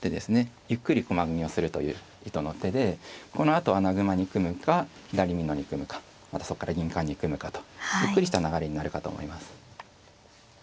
ゆっくり駒組みをするという意図の手でこのあと穴熊に組むか左美濃に組むかまたそこから銀冠に組むかとゆっくりした流れになるかと思います。